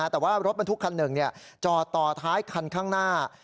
แต่ว่ารถบรรทุกคันหนึ่งจอดต่อท้ายคันข้างหน้า